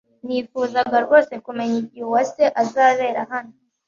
Nifuzaga rwose kumenya igihe Uwase azabera hano